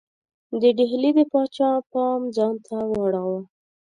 د ډهلي د پاچا پام ځانته واړاوه.